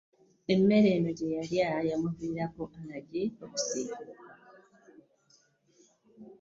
Emmere eno gye yalya yamuviirako Allergy okusiikuuka.